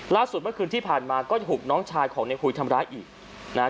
ล่าสุดเมื่อคืนที่ผ่านมาก็ถูกน้องชายของในหุยทำร้ายอีกนะฮะ